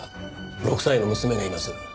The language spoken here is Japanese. ６歳の娘がいます。